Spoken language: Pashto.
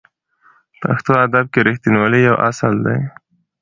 پښتو ادب کې رښتینولي یو اصل دی.